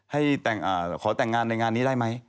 ให้ขอแต่งงานในงานนี้ได้ไหม